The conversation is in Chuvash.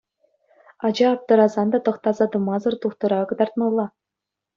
Ача аптӑрасан та тӑхтаса тӑмасӑр тухтӑра кӑтартмалла.